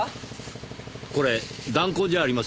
これ弾痕じゃありませんかね？